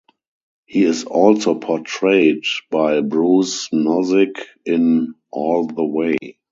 He is also portrayed by Bruce Nozick in "All the Way".